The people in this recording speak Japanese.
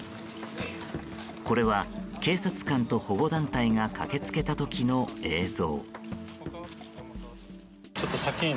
これは、警察官と保護団体が駆け付けた時の映像。